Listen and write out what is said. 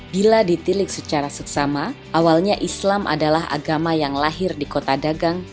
bila ditilik secara seksama awalnya islam adalah agama yang lahir di kota dagang